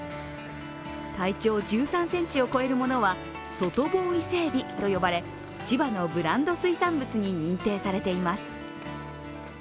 体長１３ｃｍを超えるものは外房イセエビと呼ばれ、千葉のブランド水産物に認定されています。